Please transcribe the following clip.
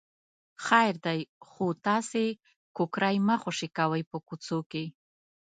خیر دی خو تاسې کوکری مه خوشې کوئ په کوڅو کې.